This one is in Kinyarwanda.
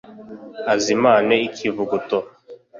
azimane ikivuguto.